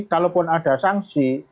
kalaupun ada sanksi